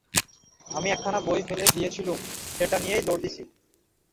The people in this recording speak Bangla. আমি একখানা বই ফেলে গিয়েছিলুম, সেটা নিয়েই দৌড় দিচ্ছি।